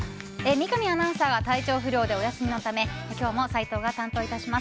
三上アナウンサーが体調不良でお休みのため今日も斉藤が担当いたします。